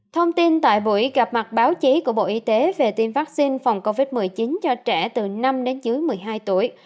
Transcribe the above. thông tin tại buổi gặp mặt báo chí của bộ y tế về tiêm vaccine phòng covid một mươi chín cho trẻ từ năm đến dưới một mươi hai tuổi